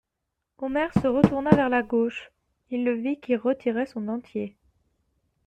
Omer se retourna vers la gauche: il le vit qui retirait son dentier.